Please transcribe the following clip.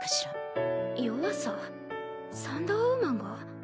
サンダーウーマンが？